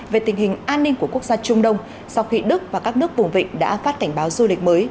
về tình hình an ninh của quốc gia trung đông sau khi đức và các nước vùng vịnh đã phát cảnh báo du lịch mới